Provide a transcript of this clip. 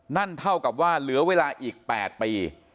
นั่นเท่ากับว่าเหลือเวลาอีก๘ปี